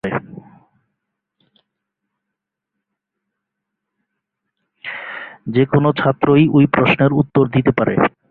যে কোনো ছাত্রই ওই প্রশ্নের উত্তর দিতে পারে।